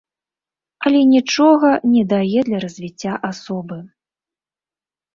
Але нічога не дае для развіцця асобы.